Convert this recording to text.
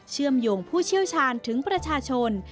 เชื่อมโยงผู้เชี่ยวชาญถึงประชาชน